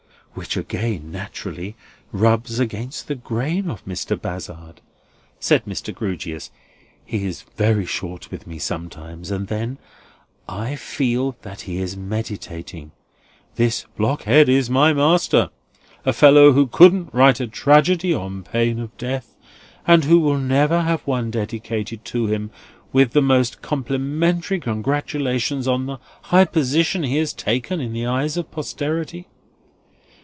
"Which again, naturally, rubs against the grain of Mr. Bazzard," said Mr. Grewgious. "He is very short with me sometimes, and then I feel that he is meditating, 'This blockhead is my master! A fellow who couldn't write a tragedy on pain of death, and who will never have one dedicated to him with the most complimentary congratulations on the high position he has taken in the eyes of posterity!